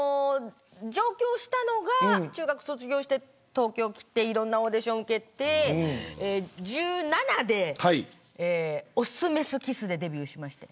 上京したのが中学卒業して東京来ていろんなオーディション受けて１７で♂×♀×Ｋｉｓｓでデビューしまして。